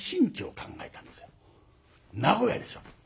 名古屋でしょ？